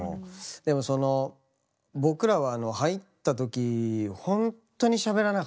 でもその僕らは入った時ほんとにしゃべらなかったので。